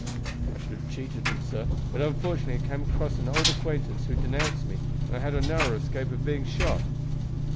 "I should have cheated them, sir; but unfortunately I came across an old acquaintance who denounced me, and I had a narrow escape of being shot."